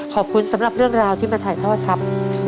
ขอบคุณสำหรับเรื่องราวที่มาถ่ายทอดครับ